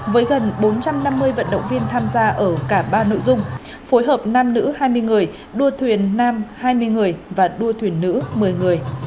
với gần bốn trăm năm mươi vận động viên tham gia ở cả ba nội dung phối hợp nam nữ hai mươi người đua thuyền nam hai mươi người và đua thuyền nữ một mươi người